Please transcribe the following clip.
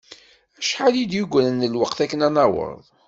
Acḥal i d-yegran n lweqt akken ad naweḍ?